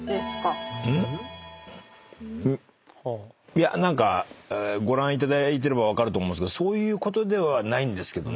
いや何かご覧いただいてれば分かると思うんですけどそういうことではないんですけど。